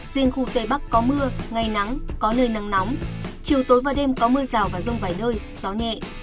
riêng khu tây bắc có mưa ngày nắng có nơi nắng nóng chiều tối và đêm có mưa rào và rông vài nơi gió nhẹ